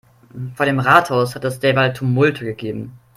Vor dem Rathaus hat es derweil Tumulte gegeben.